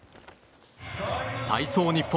体操日本